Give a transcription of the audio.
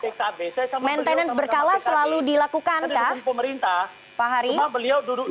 maintenance berkala selalu dilakukan kak pak hari